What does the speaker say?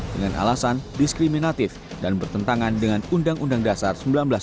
dengan alasan diskriminatif dan bertentangan dengan undang undang dasar seribu sembilan ratus empat puluh lima